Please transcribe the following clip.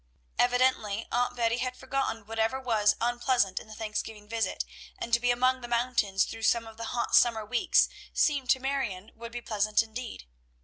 Evidently Aunt Betty had forgotten whatever was unpleasant in the Thanksgiving visit, and to be among the mountains through some of the hot summer weeks seemed to Marion would be pleasant indeed.